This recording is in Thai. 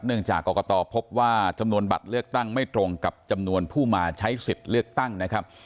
จากกรกตพบว่าจำนวนบัตรเลือกตั้งไม่ตรงกับจำนวนผู้มาใช้สิทธิ์เลือกตั้งนะครับ